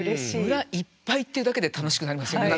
「村一ぱい」っていうだけで楽しくなりますよね。